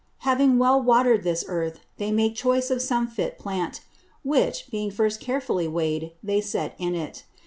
Having well water'd this Earth, they make choice of some fit Plant, which, being first carefully weigh'd, they set in it.